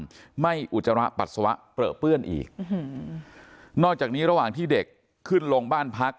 ไม่อุจจาระปัสสาวะเปลือเปื้อนอีกนอกจากนี้ระหว่างที่เด็กขึ้นลงบ้านพัก